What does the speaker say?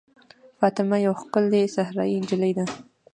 فاطمه یوه ښکلې صحرايي نجلۍ ده.